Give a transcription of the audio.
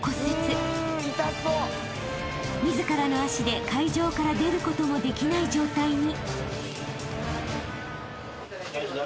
［自らの足で会場から出ることもできない状態に］